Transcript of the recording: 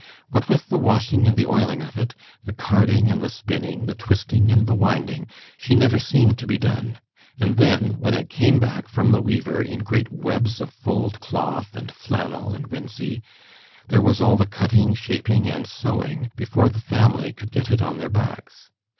What with the washing and the oiling of it, the carding and the spinning, the twisting and the winding, she never seemed to be done. And then, when it came back from the weaver in great webs of fulled cloth and flannel and winsey, there was all the cutting, shaping, and sewing before the family could get it on their backs.